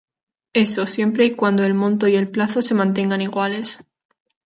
Eso, siempre y cuando el monto y el plazo se mantengan iguales.